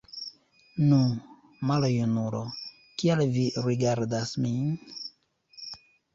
Nu, maljunulo, kial vi rigardas min?